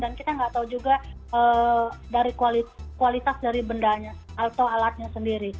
dan kita nggak tahu juga dari kualitas dari bendanya atau alatnya sendiri